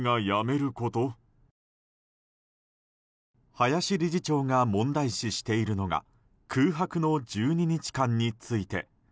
林理事長が問題視しているのが空白の１２日間について。